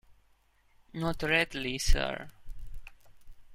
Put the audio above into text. Not readily, sir.